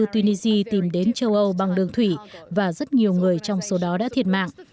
tunisia tìm đến châu âu bằng đường thủy và rất nhiều người trong số đó đã thiệt mạng